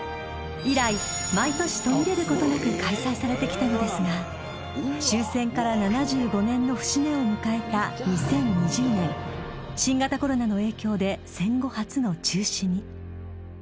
以来、毎年途切れることなく開催されてきたのですが終戦から７５年の節目を迎えた２０２０年新型コロナの影響で戦後初の中止に。